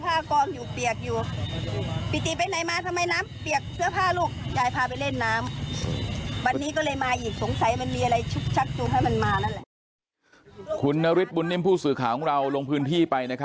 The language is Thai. ไปเล่นน้ำวันนี้ก็เลยมาอีกสงสัยมันมีอะไรใหม่